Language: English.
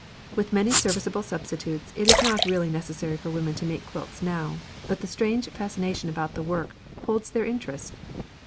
With many serviceable substitutes it is not really necessary for women to make quilts now, but the strange fascination about the work holds their interest.